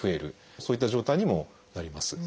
そういった状態にもなります。